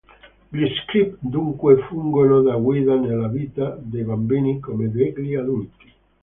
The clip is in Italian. Gli "script" dunque fungono da guida nella vita, dei bambini, come degli adulti.